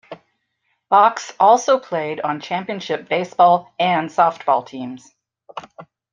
Box also played on championship baseball and softball teams.